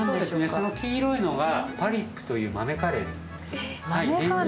その黄色いのがパリップという豆カレーです。